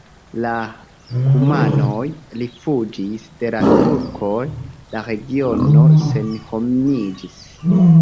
La kumanoj rifuĝis de la turkoj, la regiono senhomiĝis.